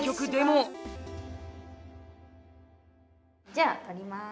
じゃあ取ります。